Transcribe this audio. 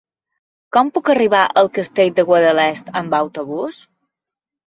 Com puc arribar al Castell de Guadalest amb autobús?